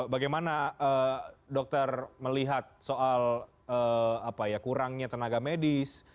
bagaimana dokter melihat soal kurangnya tenaga medis